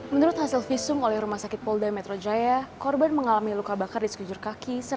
menurut hasil visum oleh rumah sakit polda metro jaya korban mengalami luka bakar di sekejur kaki